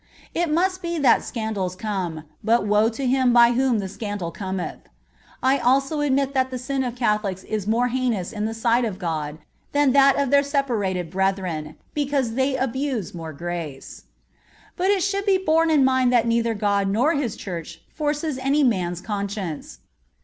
"It must be that scandals come, but woe to him by whom the scandal cometh." I also admit that the sin of Catholics is more heinous in the sight of God than that of their separated brethren, because they abuse more grace. But it should be borne in mind that neither God nor His Church forces any man's conscience.